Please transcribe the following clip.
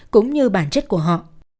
cũng như bản chất của họ